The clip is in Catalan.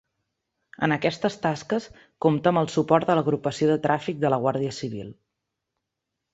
En aquestes tasques compta amb el suport de l'Agrupació de Tràfic de la Guàrdia Civil.